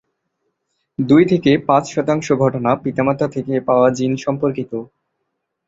দুই থেকে পাঁচ শতাংশ ঘটনা পিতামাতা থেকে পাওয়া জিন সম্পর্কিত।